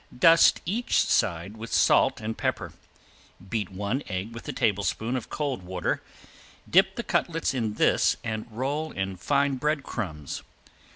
Dust each side with salt and pepper. Beat one egg with a tablespoon of cold water, dip the cutlets in this and roll in fine bread crumbs.